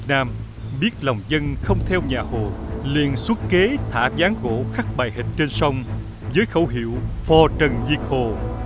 việt nam biết lòng dân không theo nhà hồ liền xuất kế thả gián gỗ khắc bài hệt trên sông với khẩu hiệu phò trần diệt hồ